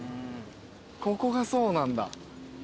ここがそうなんだ。